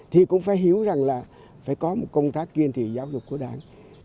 thì cũng phải hiểu rằng là phải có một công tác kiên trì giáo dục của đảng